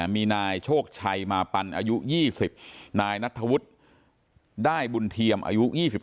มีนายโชคชัยมาปันอายุ๒๐นายนัทธวุฒิได้บุญเทียมอายุ๒๓